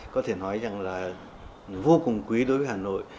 có thể nói rằng là vô cùng quý đối với hà nội